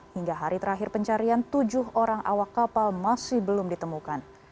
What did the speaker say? hingga hari terakhir pencarian tujuh orang awak kapal masih belum ditemukan